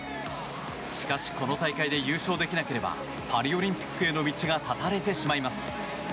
しかし、この大会で優勝できなければパリオリンピックへの道が絶たれてしまいます。